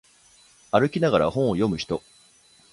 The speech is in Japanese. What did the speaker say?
歩きながら本を読む人